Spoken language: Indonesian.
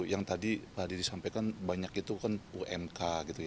yang tadi tadi disampaikan banyak itu umk